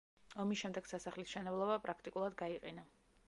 ომის შემდეგ სასახლის მშენებლობა პრაქტიკულად გაიყინა.